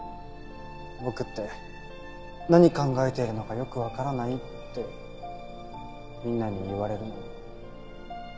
僕って何考えているのかよくわからないってみんなに言われるのに。